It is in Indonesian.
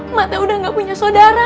emak teh udah gak punya sodara